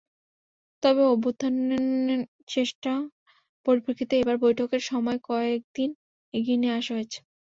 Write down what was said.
তবে অভ্যুত্থানচেষ্টার পরিপ্রেক্ষিতে এবার বৈঠকের সময় কয়েক দিন এগিয়ে নিয়ে আসা হয়েছে।